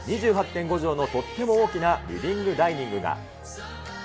２８．５畳のとっても大きなリビングダイニングが。